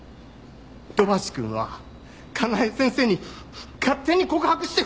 土橋くんは香奈枝先生に勝手に告白して振られたんだよ。